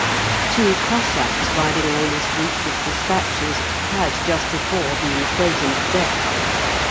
Two Cossacks riding along this route with despatches had just before been frozen to death.